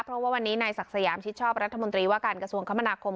เพราะว่าวันนี้นายศักดิ์สยามชิดชอบรัฐมนตรีว่าการกระทรวงคมนาคม